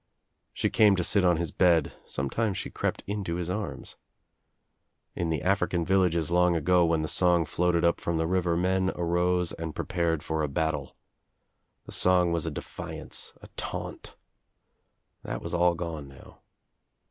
She came to sit on his bed, sometimes she crept into his arms. In the African villages long ago when the song floated up from the river men arose and pre pared for battle. The song was a defiance, a taunt. That was all gone now.